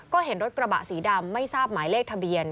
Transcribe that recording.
ก็เห็นรถกระบะสีดำไม่ทราบหมายเลขทะเบียน